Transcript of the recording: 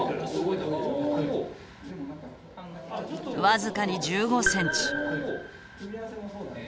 僅かに１５センチ。